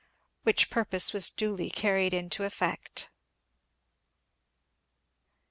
Which purpose was duly carried into effect.